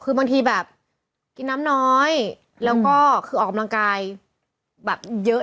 คือบางทีแบบกินน้ำน้อยแล้วก็คือออกกำลังกายแบบเยอะ